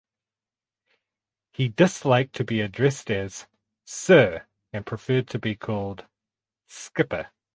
He disliked to be addressed as "Sir" and preferred to be called "Skipper".